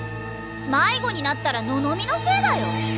迷子になったらののみのせいだよ。